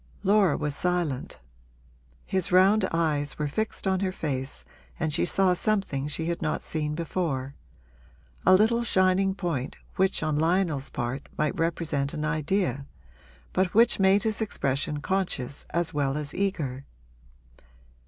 Laura was silent; his round eyes were fixed on her face and she saw something she had not seen before a little shining point which on Lionel's part might represent an idea, but which made his expression conscious as well as eager.